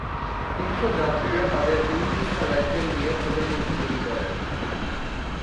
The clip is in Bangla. তীর্থ যাত্রীরা তাদের উইনচেস্টার রাইফেল দিয়ে ঝোপের মধ্যে গুলি করে।